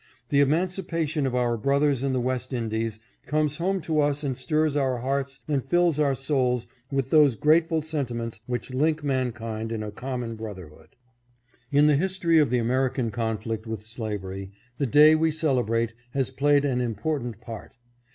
The emancipation of our brothers in the West Indies comes home to us and stirs our hearts and fills our souls with those grateful senti ments which link mankind in a common brotherhood. In the history of the American conflict with slavery, the day we celebrate has played an important part.